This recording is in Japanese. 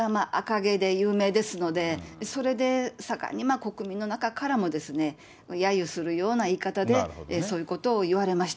そのヘンリー王子は赤毛で有名ですので、それで盛んに国民の中からもやゆするような言い方で、そういうことを言われました。